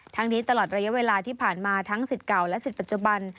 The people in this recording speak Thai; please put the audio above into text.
ทั้งนี้ตลอดระยะเวลาที่ผ่านมาทั้งศิษย์เก่าและศิษย์ปัจจุบัน